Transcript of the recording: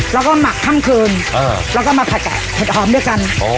แล้วก็หมักค่ำคืนแล้วก็มาผัดเห็ดหอมด้วยกัน